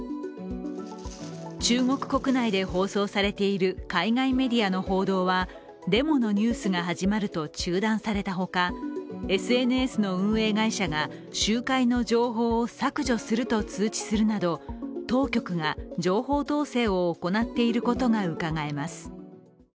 中国国内で放送されている海外メディアの報道はデモのニュースが始まると中断されたほか、ＳＮＳの運営会社が集会の情報を削除すると通知するなど当局が情報統制を行っていることがうかがえます。